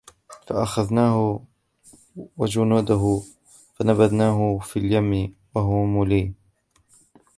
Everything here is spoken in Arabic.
فأخذناه وجنوده فنبذناهم في اليم وهو مليم